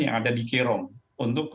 yang ada di kirong untuk